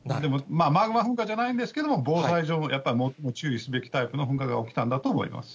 マグマ噴火じゃないんですけど、防災上、やっぱり注意すべきタイプの噴火が起きたんだと思います。